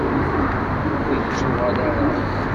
Ur d-ittuɣal ara.